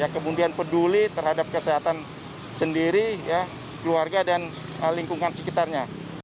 kemudian peduli terhadap kesehatan sendiri keluarga dan lingkungan sekitarnya